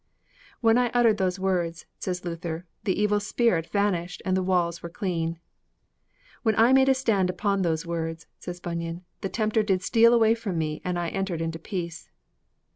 "' 'When I uttered those words,' says Luther, 'the evil spirit vanished and the walls were clean!' 'When I made a stand upon those words,' says Bunyan, '_the tempter did steal away from me and I entered into peace!